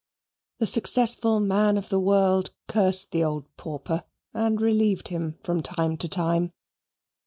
The successful man of the world cursed the old pauper and relieved him from time to time.